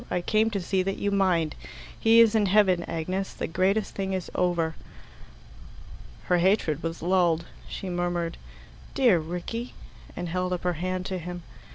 I came to see that you mind. He is in heaven, Agnes. The greatest thing is over." Her hatred was lulled. She murmured, "Dear Rickie!" and held up her hand to him.